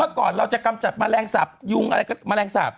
ก่อนเราจะกำจัดแมลงสาปยุงอะไรก็แมลงสาป